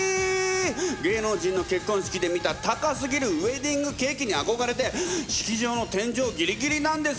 芸能人の結婚式で見た高すぎるウエディングケーキに憧れて式場の天井ギリギリなんですけどという人たちも